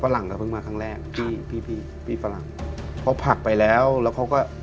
หลังก็เพิ่งมาครั้งแรกที่พี่พี่ฝรั่งเขาผลักไปแล้วแล้วเขาก็